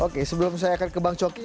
oke sebelum saya akan ke bang coki